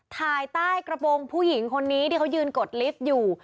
ถ่ายใต้กระโปรงผู้หญิงคนนี้ที่เขายืนกดลิฟต์อยู่